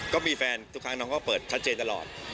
ก็มีแฟนทุกครั้งน้องก็เปิดชัดเจนตลอด